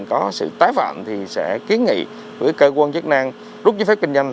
có sự tái phạm thì sẽ kiến nghị với cơ quan chức năng rút giấy phép kinh doanh